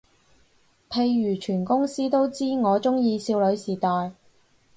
譬如全公司都知我鍾意少女時代